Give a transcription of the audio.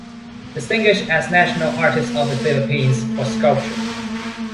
Distinguished as National Artist of the Philippines for Sculpture.